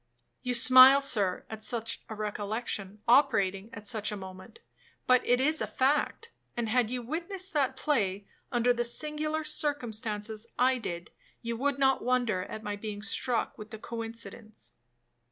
You smile, Sir, at such a recollection operating at such a moment, but it is a fact; and had you witnessed that play under the singular circumstances I did, you would not wonder at my being struck with the coincidence.